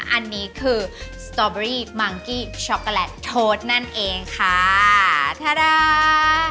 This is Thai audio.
อันนี้คือสตอเบอรี่มังกี้ช็อกโกแลตโทษนั่นเองค่ะทารา